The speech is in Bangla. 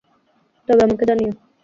তবে আমাকে জানিও।